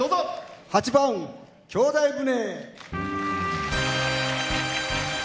８番「兄弟船」。